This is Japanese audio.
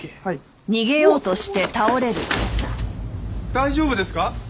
大丈夫ですか？